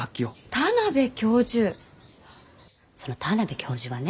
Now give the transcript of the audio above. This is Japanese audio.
その田邊教授はね